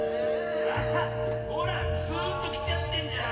あっほらツーンときちゃってんじゃん。